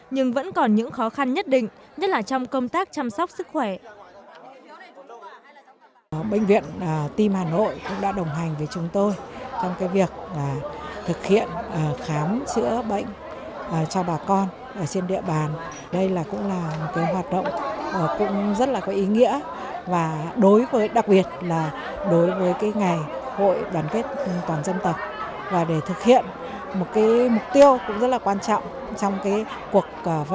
nhưng vẫn còn những khó khăn nhất định nhất là trong công tác chăm sóc